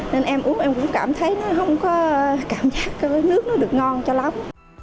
nên em uống em cũng cảm thấy nó không có cảm giác cái nước nó được ngon cho lắm